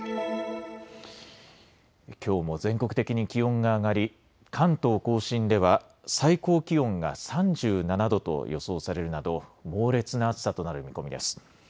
きょうも全国的に気温が上がり関東甲信では最高気温が３７度と予想されるなど猛烈な暑さとなる見込みです。